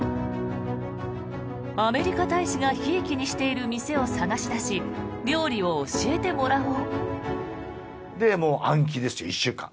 アメリカ大使がひいきにしている店を探し出し料理を教えてもらおう。